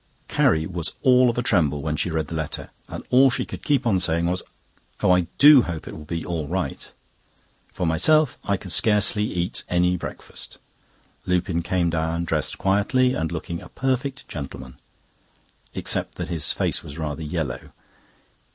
Carrie was all of a tremble when she read the letter, and all she could keep on saying was: "Oh, I do hope it will be all right." For myself, I could scarcely eat any breakfast. Lupin came down dressed quietly, and looking a perfect gentleman, except that his face was rather yellow.